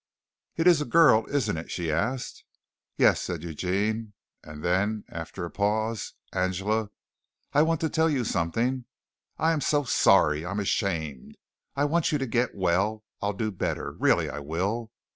"It's a girl, isn't it?" she asked. "Yes," said Eugene, and then, after a pause, "Angela, I want to tell you something. I'm so sorry, I'm ashamed. I want you to get well. I'll do better. Really I will."